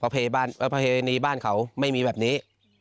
ประเพณีบ้านเขาไม่มีแบบนี้